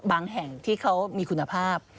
แห่งที่เขามีคุณภาพ